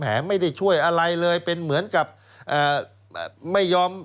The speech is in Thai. ไม่ได้ช่วยอะไรเลยเป็นเหมือนกับไม่ยอม